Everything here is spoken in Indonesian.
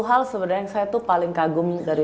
hal sebenarnya saya tuh paling kagumi dari